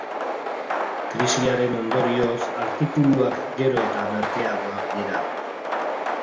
Krisiaren ondorioz, artikuluak gero eta merkeagoak dira.